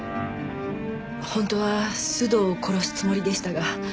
本当は須藤を殺すつもりでしたが。